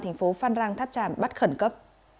thành phố phan rang tháp tràm bắt khẩn cấp